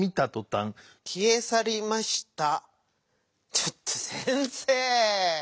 ちょっと先生。